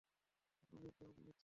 উনি দম নিচ্ছেন!